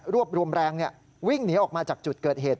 รวบรวมแรงวิ่งหนีออกมาจากจุดเกิดเหตุ